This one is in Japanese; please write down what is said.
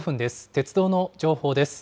鉄道の情報です。